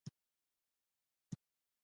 زما خبره یې په دې وخت کې را بېل کړه.